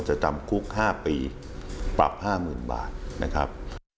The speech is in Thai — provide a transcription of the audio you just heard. จำคุก๕ปีปรับ๕๐๐๐บาทนะครับ